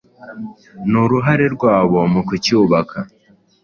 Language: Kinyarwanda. n’uruhare rwabo mu kucyubaka